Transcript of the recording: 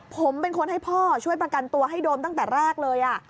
ผมเป็นคนให้พ่อช่วยประกันตัวให้โดมตั้งแต่แรกเลย